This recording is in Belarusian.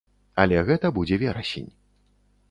Але гэта будзе верасень.